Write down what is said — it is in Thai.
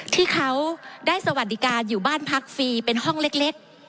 ที่เขาได้สวัสดิการอยู่บ้านพักฟรีเป็นห้องเล็ก